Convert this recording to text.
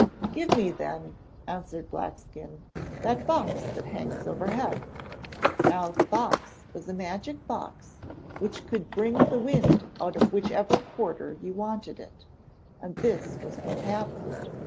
'Give me, then,' answered Blackskin, 'that box that hangs overhead.' Now the box was a magic box which could bring the wind out of whichever quarter you wanted it, and this was what happened.